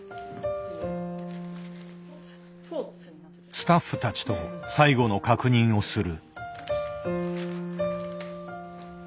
スタッフたちと最後の確認をする。